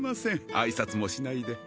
挨拶もしないで